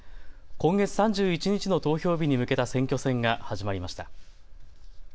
今月３１日の投票日に向けた選挙戦が始まりました。